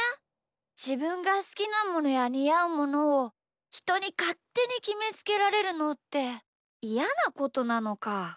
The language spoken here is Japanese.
じぶんがすきなものやにあうものをひとにかってにきめつけられるのっていやなことなのか。